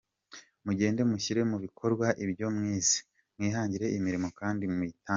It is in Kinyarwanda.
Mugende mushyire mu bikorwa ibyo mwize, mwihangire imirimo kandi muyitange.